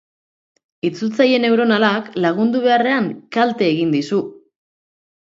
Itzultzaile neuronalak lagundu beharrean kalte egin dizu.